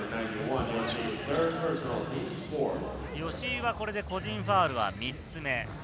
吉井はこれで個人ファウルは３つ目。